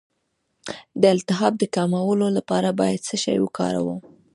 د التهاب د کمولو لپاره باید څه شی وکاروم؟